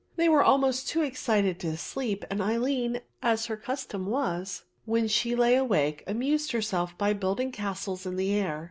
They were almost too excited to sleep and Aline, as her custom was, when she lay awake, amused herself by building castles in the air.